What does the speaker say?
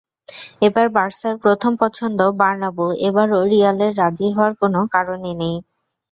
এবারও বার্সার প্রথম পছন্দ বার্নাব্যু, এবারও রিয়ালের রাজি হওয়ার কোনো কারণই নেই।